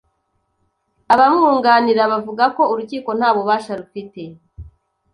Abamwunganira bavuga ko urukiko nta bubasha rufite